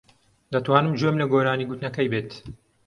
دەتوانم گوێم لە گۆرانی گوتنەکەی بێت.